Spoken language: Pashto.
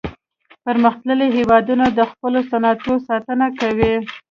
پرمختللي هیوادونه د خپلو صنعتونو ساتنه کوي